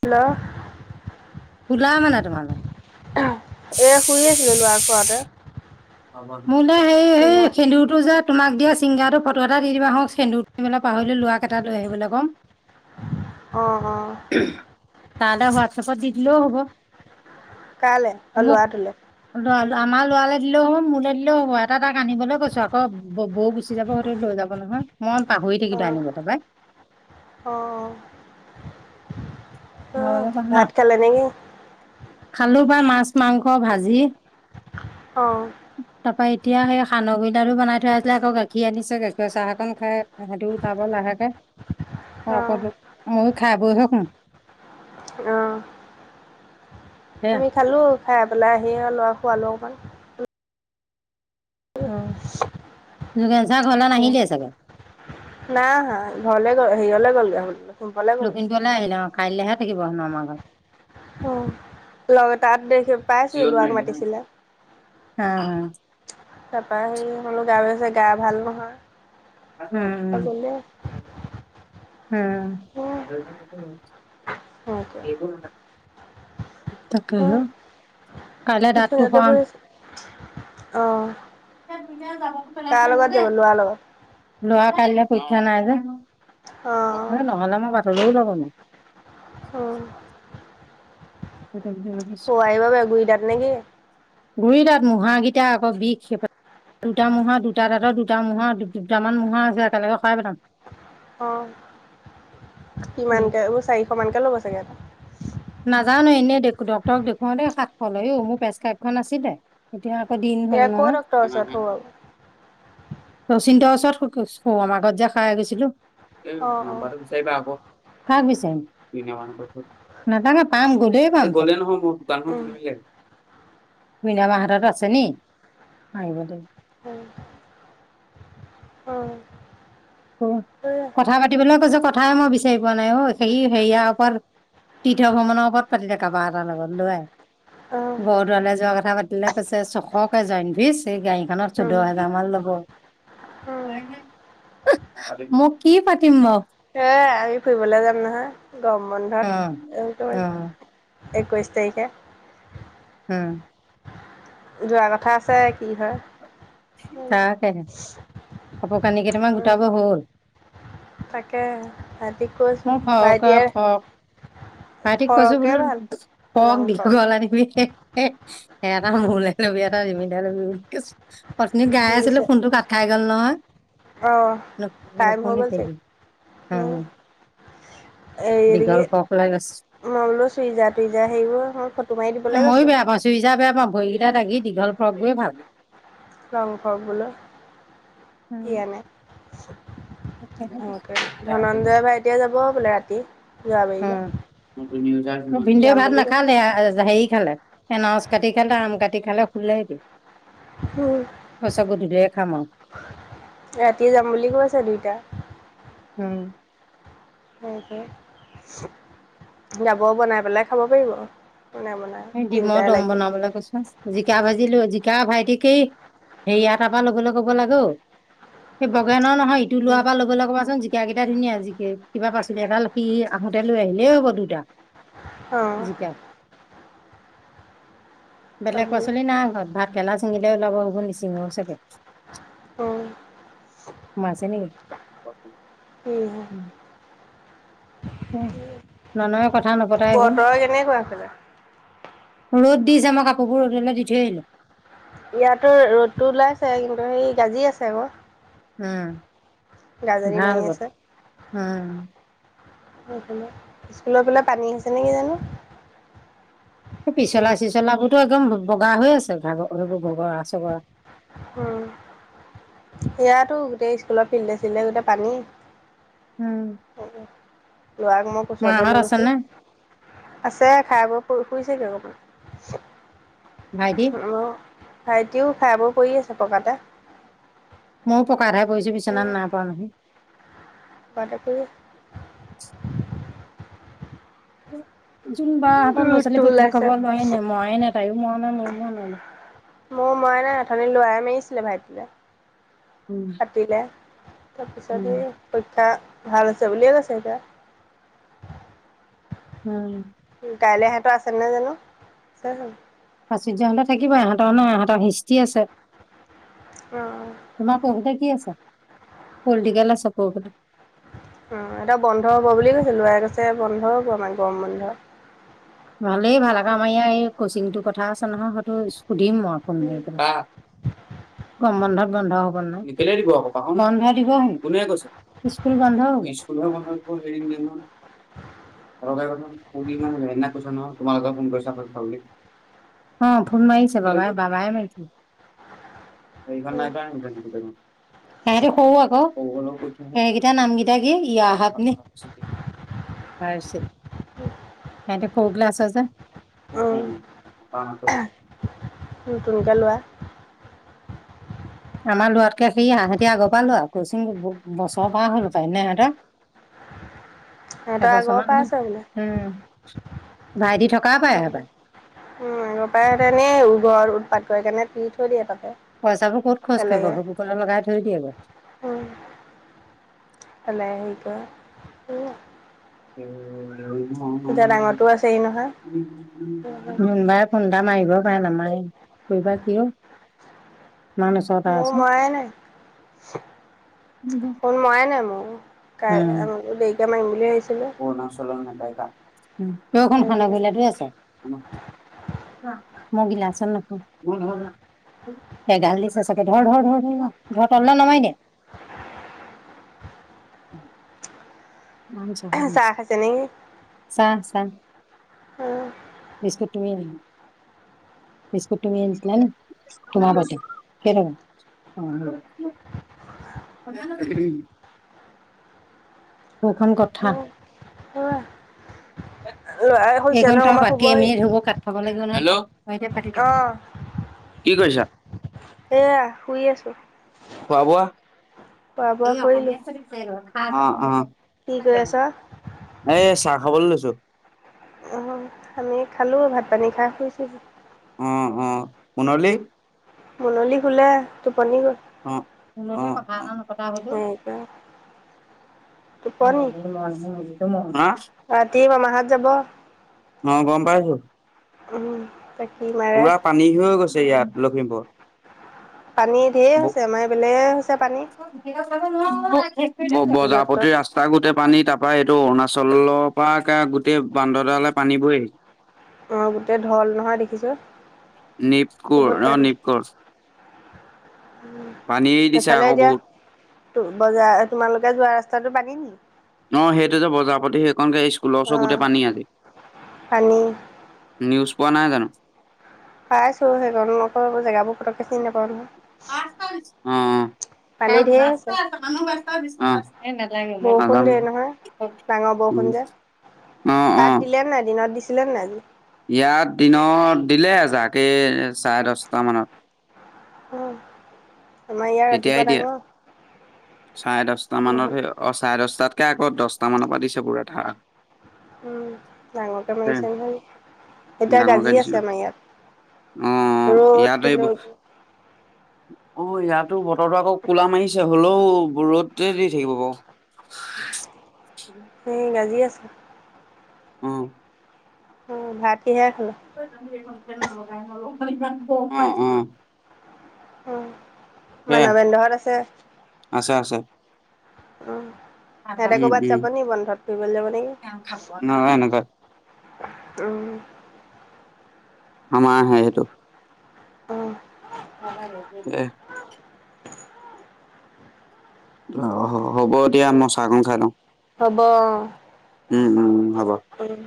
Hello. শুলা মানে তোমালোক। এ শুই আছিলো ল'ৰাক শুৱাওতে। মোলে হে এই সেন্দুৰতটো যে। তোমাক দিয়া চিংগাটো ফটো এটা দি দিবা হা হওক সেন্দুৰ মেল পাহৰিলে লোৱা ক এটা লৈ আহিবলে কম। অঁ অ। তাহপাচত হোৱাটছএপত দি দিলেও হব। কালে অ মোক লোৱা টোলে। আমাৰ লৰালে। হ মোলে দিলও হ'ব এটা তাক আনিবলৈ কৈছো আকৌ বৌ গুচি যাব হয়টো লৈ যাব নহয় মন। পাহৰি থাকিলো অঁ আনিব তাৰাপাই। অঁ প অঁ ন ভাত খালে নেকি খালো পাই মাছ মাংস ভাজি। অহঁ। তাৰ পা এতিয়া সেই সাণ্ড গুই গলো বনাই থৈ আছিলে আকৌ গাখীৰ আনিছে গাখীৰৰ চাহকন খাই সেইটো উতাব লাগে। তাকে অঁ অকল ম খাই বৈ হে শুম। অঁ সেয়া আমি খালো খাই পেলাই আহি আৰু লৰা খোৱালো অকমান। অ জোগেঞ্চাৰ ঘৰলৈ নাহিলেই চোন। নাই অহা ঘৰলে গল হেৰীয়লে গলগে। লখিমপুৰলৈ আহিলে আৰু কাইলৈহে থাকিব হেনো আমাৰ ঘৰত। অ লগ তাত দেখি পাইছিলো জিঅ'ত লোৱাক মাৰিলি মাতিছিলে। হা তাপা সৰি হলো গাছে গা ভাল নহয়। উম গ'লে উ। হ সক। তাকে কাইলে দাত টো হৰাম। অহ। ল'ৰাৰ লগত লোৱা কাইলৈ পৰীক্ষা নাই যে। হ অ', নহ'লে মই বাটলৈও যাব নোৱাৰো। অঁ। নোৱাৰো হোৱা বাবা গুই দাত নেকি? গুৰি দাত মুঢাকেইটা আকৌ বিষ খেপাল। দুটা মূঢ়া দুটা দাঁতৰ দুটা মূঢ়া দুটামান মূঢ়া আছে একেলগে হৰাই পেলাম। অঁ। কিমানকে উ চাৰিশ মানকে ল'ব চাগে এটা। নাজানো এনেই ডক্তৰক দেখুৱা দেই সাতশ ল অ মোৰ প্ৰেচক্ৰাইপ্যন আছিল দে এতিয়া। ক দিন হ'ল এয়া ন। ক' ডক্তৰৰ ওচৰত সৌ আৰু [inaudible] শচিন্তৰ ওচৰত আমাৰ ঘত যে খাই গৈছিলো অ', অ', নাম্বাটো বিচাৰিবা আকৌ কাক বিচাৰিম? নথাকা পাম গলেই পাম গ'লে নহয় মই দোকান উম, মনামাহতত আছে নি আহিব দিয়। [unintelligible] উম, উম, ত সেয়া কথা পাতিবলৈ কৈছো কথাই মই বিচাৰি পোৱা নাই অ স সেয়াৰ ওপৰত। তীৰ্থ ভ্ৰমণৰ ওপৰত পাতিলে কাৰোবাৰ এটাৰ লগত লোৱাই। অ', বৰদোৱালৈ যোৱা কথা পাতিলে কৈছে চখকে জইনভছ এই গায়ক। নত উম, চৈধ্য হেজাৰ মান ল'ব। উম, মই কি পাতিম বাও। হে আমি ফুৰিবলৈ যাম নহয় গৰম অ', বন্ধত অ', এই একৈশ তাৰিখে। হম। যোৱা কথা আছে কি হয়? উম, তাকে হে। কাপোৰ কানি কেইটামান উম, গোটাব হ'ল। তাকে ভাইটিক কৈছো মই ফৰক ভাইটিয়ে ফৰক ভাইটিক কৈছো ফৰকে বোলো ভাল ফৰ্ক লং ফ্ৰক দীঘল আনিবি। এ এটা মোৰ লে ল'বি এটা ৰিমিলে ল'বি বুলি কৈছো। পত্নীক গাই কি আছিলো যে ফোনটো কঠাই গ'ল নহয়। অ', টাইম হৈ নকন্দ গ'ল থ চাগে, হ। উম, হেৰি দীঘল ফৰ্ক লই মই বোলো চুইজাৰ টুইজাৰ হেৰিবোৰ মই ফটো মাৰি গৈছে দিবলৈ ময়ো কৈছোঁ, বেয়া পাইছো ইজা বেয়া পাওঁ। ভৰিকেইটা ঢাকি দীঘল ফৰ্ক বোৰে ভাল। লং ফৰ্ক বোলো কি আনে। ধনঞ্জয় ভাইতিয়ে যাব বোলে ৰাতি। যোৰাবাৰীলৈ, উ ভিনদেউ যাম ভাত বুলি কৈছে, নাখালে হেৰি। খালে এনাচ কাটি খালে আম কাটি খালে শুলে এতিয়া। উম। সঁচ গুধিটোৱে খাম আৰু। ৰাতিয়ে যাম বুলি কৈছে দুইটা। আৰু সেইহে যাব বনাই পেলাই খাব পাৰিব। বনাই বনাই ডিমৰ তিনিটাই দম লাগে, বনাবলৈ কৈছো জিকা ভা। জিকা ভাইটিকেই হেৰিয়া তাৰ পৰা লবলৈ কব লাগে ঔ। সেই বগেনৰ নহয় ইটো লৰা পৰা লবলৈ ক'বাচোন। জিকা কেইটা ধুনীয়া আজিকে কিবা পাচলি এটা সি আহোঁতে লৈ আহিলেই হ'ব দুইটা। অ। বেলেগ চব্জি পাচলি নাই ঘৰত ভাত। গেলা চিঙিলে ওলাব হ'ব নিচিঙৰ চাগে। উম। মাজে নেকি? কি উম ননই। বতৰ কেনেকুৱা সেইফালে। ৰ'দ দিছে মই কাপোৰবোৰ ৰ'দলে দি থৈ আহিলো। ইয়াতো ৰ'দটো ওলাইছে কিন্তু সেই গাজি আছে আকৌ। হম। গাজনি মাৰি আছে। উম স্কুলৰ পেলাই পানী আহিছে নে কি জানো? পিছলা চিছলা বোৰ টো একদম বগা হৈ আছে ঘা ঘগৰা চগৰা উম ইয়াতো গোটেই স্কুলৰ ফিল্ডে চিল্ডে গোটেই পানী। উম লৰাক মই কোচতহে মাহঁত লৈ আছে গৈছো নে আছে খাই বৈ শুইছেগে ভাইটি অকমান। অ, ভাইটিও খাই বৈ পৰি আছে পকাতে। মই পকাত হে পৰিছো বিচনাত নাই পৰা নহয়। পকাতে পৰি যোন বা হতৰ ল'ৰা ছোৱালী ৰ'দটো পৰীক্ষা ওলাইছে খবৰ লোৱাই নাই মই তাইয়ো মৰা নাই মইও মৰা নাই। মোৰ মৰা নাই খালী লৰাই মাৰিছিলে ভাইটিলে উম পাতিলে। তাৰপিছত উম। সি পৰীক্ষা ভাল হৈছে বুলিয়ে কৈছে এতিয়া। উম কাইলৈ সিহতৰ আছে নে জানো? প্ৰাচুৰ্য হতৰ থাকিব ইহতৰ নাই ইহতৰ হিষ্টি আছে। অ - অ। তোমাৰ পঢ়োতে কি আছে পলটিকেল আছে উম, এটা বন্ধ হ'ব বুলি কৈছে লৰাই কৈছে বন্ধ হ'ব আমাৰ গৰম বন্ধ। ভালেই ভাল আক আমাৰ ইয়াৰ এই কচিংটোৰ কথা আছে নহয় হয়টো শুধিম মই ফোন মাৰি পেলাই গৰম বন্ধ বন্ধ হব নাই? কেলে দিব আকৌ তাহুন। বন্ধ দিব হেনো। কোনে কৈছে? স্কুল হে বন্ধ স্কুল হে বন্ধ হব। [unintelligible] তোমাক ঘৰৰ ফোন কৰিছে আকৌ ভাল কে। অ, ফোন মাৰিছে বাবা - বাবাই মাৰিছে। এইখন নাই গোটেই খন। সিহতে সৰু আকৌ সেইকেইটা নামকেইটা কি ই আহাক নে। R C ninety. ফ্লৌ গ্লাচ আছে যে উম - উম [unintelligible] নতুন কে লোৱা। আমাৰ লৰাতকে সিহতি আগৰ পৰা লোৱা কৈছে মোক বছৰৰ পৰা হ'ল সপাই নে সিহতৰ। সিহঁতৰ আগৰ এবছৰমান পৰা হল আছে বোলে। উম, ভাইটি থকা পাই হপাই আগৰপৰাই তে ঘৰ উৎপাত কৰি কাৰণে দি থৈ দিয়ে তাত। পইচাবোৰ ক'ত খৰচ কৰিব ঘ বুক লগাই থৈ গল। ভলেই সেই ক উম, এতিয়া ডাঙৰটো আছেহি নহয়। [unintelligible] জোনবাই ফোন কা মাৰিব পা নামৰিল কিবা কিয়। ইমান ওচৰতে ম ময়াই নাই। আছো। ফোন ময়াই নাই মোৰ কা আ দেৰিকে মাৰিম। বুলি ভাবিছিলোঁ। অৰুণাচল নেপায়কা কখন খানা পলাটোয়ে আছে। মগিলাছত নাখাও। এ গাল দিছ চাগে ধৰ - ধৰ - ধৰ - ধৰ - ধৰ তললে নমাই দে। [unintelligible] [inaudible] চাহ খাইছে নেকি? চাহ - চাহ বিস্কুট। তুমি বিস্কুট তুমি আনিছিলা নি তোমাৰ বাৰ্ডে কেইটকা। অ। [unintelligible] উখন কথা। ল'ৰাই শুইছে নহয় এঘণ্টা অকণমান বাতে শুব এ সি। মিনিট হবো কাট থব লাগি হেল্ল অ', [inaudible] কি কৰিছা। এয়া শুই আছোঁ। খোৱা বোৱা? এই অসমীয়া চাৰিত পেগ। উম উম কি কৰি আছ? এ চাহ খাবলৈ লৈছো। অ', আমি খালো ভাত পানী খাই শুইছোহি। অ অ মুললি। মুললি শুলে টো অ মোল লগত যে কথা এটা নপতা হলো সেইটোৱে টোপনি [unintelligible] ৰাতি মামাহঁত যাব। অ গম পাইছোঁ উম, এতিয়া কি মাৰে। পুৰা পানী হৈ গৈছে ইয়াত লখিমপুৰত। [inaudible] পানী ধেৰ হৈছে আমাৰ এই এইবলে [unintelligible] ব য'ত ত'ত। বজাৰপতি ৰাস্তা গোতেই পানী তাপা এইটো অৰুণাচল পা গোটেই বান্দৰডালে পানী বৈ আহি অ গোটেই ঢল নহয় দেখিছোঁ। নিপকুৰ অ নিপকুৰ। উম পানী দিছে সেফালে আকৌ এতিয়া। বহুত। ত বজাৰ তোমালোকে যোৱা ৰাস্তাটো পানী নেকি। অ সেইটো যে বজাৰপতি সে কণকে স্কুলৰ ওচৰ গোটে অ', পানী আলি, পানী নিউজ পোৱা নাই জানো। পাইছো সে [unintelligible] জেগাবোৰ পটককৈ চিনি নাপাওঁ নহয়। অ অ খা [unintelligible] পানী ওক না ঢেৰ হৈছে। ৰাস্তাত মানু্তা [unintelligible] ভেতা দিছ বৰষুণ নালাগে। দিয়ে নহয় ডাঙৰ উম, বৰষুণ যে অ অ তাত দিলে নাই দিনত দিছিলে নে নাই আজি। ইয়াত দিনত দিলে এজাক এ চাৰে দছটা মানত। উম। আমাৰ ইয়াৰ ৰাতিপুৱা তেতিয়াই দিয়া ডাঙৰ চাৰে দছটা বৰষুণ মানত সেই অ চাৰে দছটাত। কে আক দছটা মান পা দিছে পুৰা ধাৰা উম ডাঙৰকে মাৰিছে নহয় এতিয়া ডাঙৰকে গাজি দিছে অ আছে আমাৰ ইয়াত। অ ৰ'দ ইয়াতে এই কিন্তু অ ইয়াত। টো বতৰটো আকৌ কোলা মাৰিছে হ'লোও ৰ'দটোৱে দি থাকিব বাও সেই গাজি আছে। অ উম ভাত কিহে খালা [unintelligible] মানৱেন্দ্ৰহঁত আছে সেয়া আছে আছে উম সিহঁতে উম ক'বাত যাব উম নিকি বন্ধত ফুৰিবলে যাব নেকি নাযায় নাযায় উম আমাৰ সে সেইটো উম, দে অঁ হ'ব এতিয়া মই চাহকণ খাই লওঁ হ'ব অ, উম